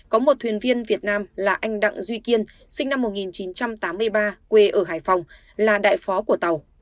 có một thuyền viên việt nam là anh đặng duy kiên sinh năm một nghìn chín trăm tám mươi ba quê ở hải phòng là đại phó của tàu